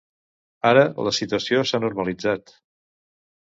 Ara, la situació s'ha normalitzat.